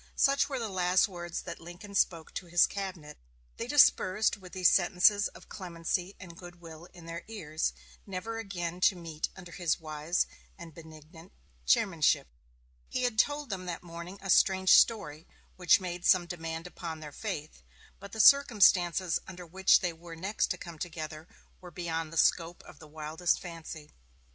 Such were the last words that Lincoln spoke to his cabinet. They dispersed with these sentences of clemency and good will in their ears, never again to meet under his wise and benignant chairmanship. He had told them that morning a strange story, which made some demand upon their faith, but the circumstances under which they were next to come together were beyond the scope of the wildest fancy.